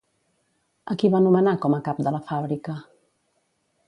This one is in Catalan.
A qui va nomenar com a cap de la fàbrica?